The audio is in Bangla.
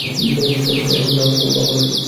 এখন না হলে কখনোই না।